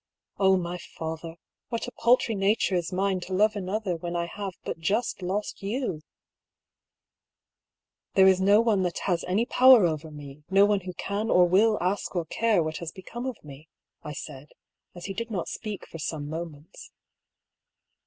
Oh, my father, what a paltry nature is mine to love another when I have but just lost you !*' There is no one that has any power over me, no one who can or 134 I^K. PAULL'S THEORY. will ask or care what has become of me," I said, as he did not speak for some moments.